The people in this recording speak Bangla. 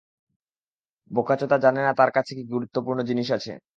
বোকাচোদা জানেনা তার কাছে কি গুরুত্বপূর্ণ জিনিস আছে।